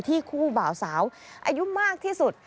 ที่คู่เบาสาวอายุมากที่สุด